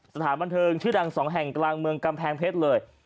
สถานบันเทิงชื่อดังสองแห่งกลางเมืองกำแพงเพชรเลย